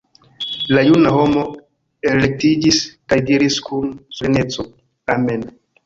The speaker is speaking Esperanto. La juna homo elrektiĝis kaj diris kun soleneco: -- Amen!